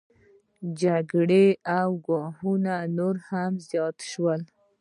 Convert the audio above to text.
جګړې او ګواښونه نور هم زیات شول